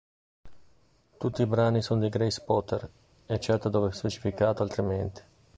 Tutti i brani sono di Grace Potter, eccetto dove specificato altrimenti.